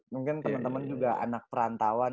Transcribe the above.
mungkin temen temen juga anak perantauan